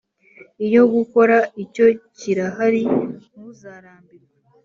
iyo gukora icyo kirahari ntuzarambirwe